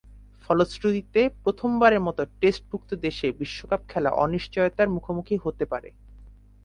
ফলশ্রুতিতে প্রথমবারের মতো টেস্টভূক্ত দেশের বিশ্বকাপে খেলা অনিশ্চয়তার মুখোমুখি হতে পারে।